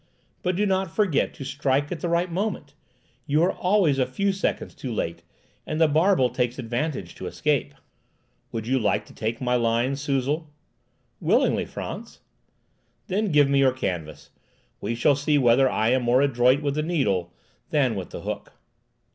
"But do not forget to strike at the right moment. You are always a few seconds too late, and the barbel takes advantage to escape." "Would you like to take my line, Suzel?" "Willingly, Frantz." "Then give me your canvas. We shall see whether I am more adroit with the needle than with the hook."